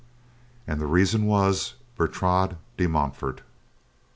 And the reason was Bertrade de Montfort.